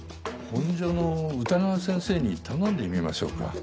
本所の歌川先生に頼んでみましょうか？